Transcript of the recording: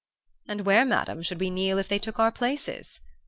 "'And where, Madam, should we kneel if they took our places?